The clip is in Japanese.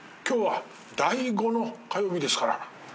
今日は第５の火曜日ですから。